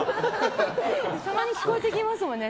たまに聞こえてきますもんね。